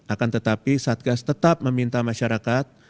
akan tetapi satgas tetap meminta masyarakat